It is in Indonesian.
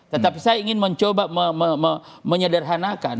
tetapi saya ingin mencoba menyederhanakan